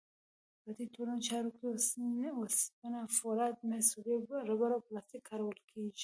په دې ټولو چارو کې وسپنه، فولاد، مس، ربړ او پلاستیک کارول کېږي.